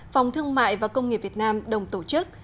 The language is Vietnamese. phòng thương mại và công nghiệp việt nam đồng tổ chức